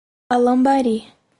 Alambari